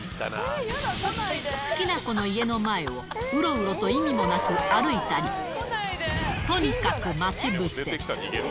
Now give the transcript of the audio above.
好きな子の家の前をうろうろと意味もなく歩いたり、とにかく待ち伏せ。